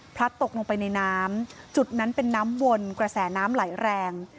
ตกลงไปในน้ำจุดนั้นเป็นน้ำวนกระแสน้ำไหลแรง